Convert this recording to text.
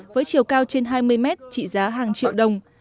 với chiều cao trên hai mươi mét trị giá hàng triệu đồng